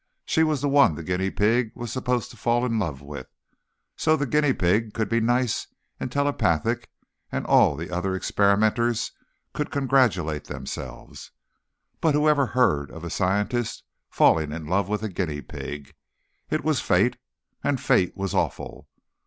She was the one the guinea pig was supposed to fall in love with, so the guinea pig could be nice and telepathic and all the other experimenters could congratulate themselves. But whoever heard of a scientist falling in love with a guinea pig? It was fate. And fate was awful.